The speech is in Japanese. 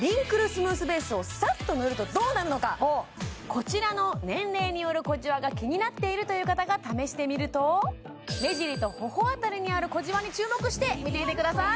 こちらの年齢による小じわが気になっているという方が試してみると目尻と頬あたりにある小じわに注目して見ていてください